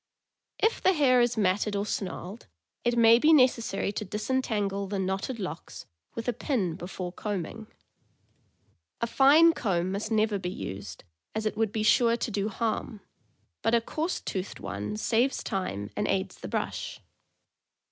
If the hair is matted or snarled, it may be necessary to disentangle the knotted locks with a pin before combing. A fine comb must never be used, as it would be sure to do harm, but a coarse toothed one saves time and aids the brush.